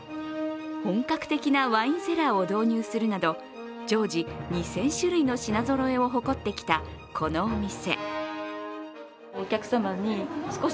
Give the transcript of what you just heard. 本格的なワインセラーを導入するなど常時２０００種類の品ぞろえを誇ってきた、このお店。